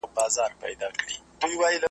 څوک له تاج سره روان وي چا اخیستې خزانې وي .